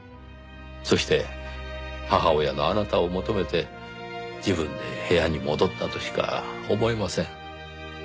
そして母親のあなたを求めて自分で部屋に戻ったとしか思えません。